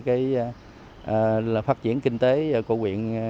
cái phát triển kinh tế của quyện